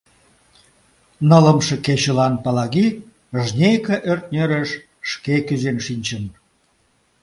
Нылымше кечылан Палаги жнейка ӧртнерыш шке кӱзен шинчын.